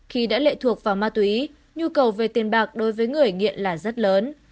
khi đã lệ thuộc vào ma túy nhu cầu về tiền bạc đối với người nghiện là rất lớn